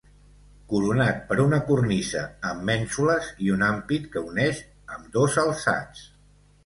Coronat per una cornisa amb mènsules i un ampit que uneix ambdós alçats.